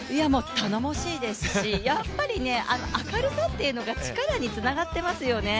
頼もしいですしやっぱりね、明るさっていうのが力につながってますよね